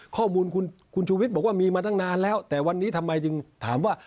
ข้อมูลคุณชูวิทย์บอกว่ามีมาตั้งนานแล้วแต่วันนี้ทำไมจึงถามว่า